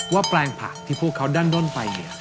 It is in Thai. แปลงผักที่พวกเขาดั้นด้นไปเนี่ย